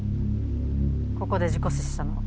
ここで事故死したのは。